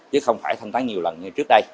chứ không phải thanh toán nhiều lần như trước đây